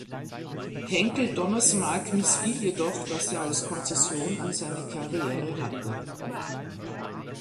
Henckel-Donnersmarck missfiel jedoch, dass er als Konzession an seine Karriere hatte.